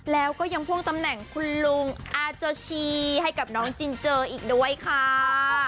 แล้วก็ยังพ่วงตำแหน่งคุณลุงอาจจอชีให้เจออีกด้วยค่ะ